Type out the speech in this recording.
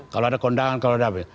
kalau ada kondangan kalau ada